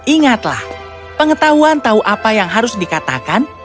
ingatlah pengetahuan tahu apa yang harus dikatakan